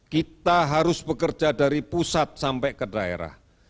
kita harus bekerja dari pusat sampai ke daerah